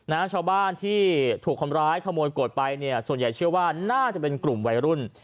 ชาวบ้านที่ถูกคนร้ายขโมยโกรธไปเนี่ยส่วนใหญ่เชื่อว่าน่าจะเป็นกลุ่มวัยรุ่น